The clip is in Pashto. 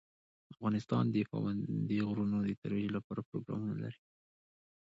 افغانستان د پابندي غرونو د ترویج لپاره پروګرامونه لري.